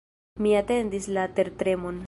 Mi atendis la tertremon.